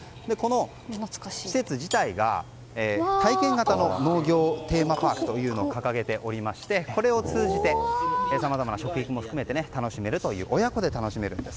この施設が体験型の農業テーマパークというのを掲げておりまして、これを通じてさまざまな食も含めて親子で楽しめるんです。